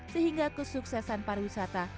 sehingga kesuksesan pariwisata